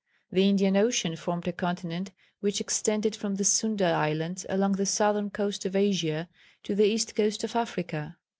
The Indian Ocean formed a continent which extended from the Sunda Islands along the southern coast of Asia to the east coast of Africa.